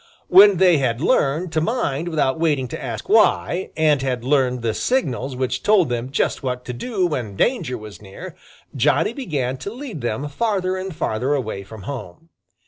When they had learned to mind without waiting to ask why, and had learned the signals which told them just what to do when danger was near, Johnny began to lead them farther and farther away from home.